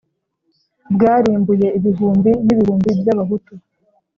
bwarimbuye ibihumbi n'ibihumbi by'abahutu